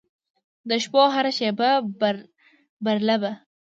د شپو هره شیبه برالبه